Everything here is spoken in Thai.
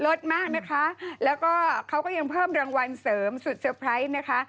สมากนะคะแล้วก็เขาก็ยังเพิ่มรางวัลเสริมสุดเซอร์ไพรส์นะคะ